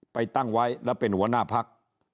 ตั้งไว้แล้วเป็นหัวหน้าพัก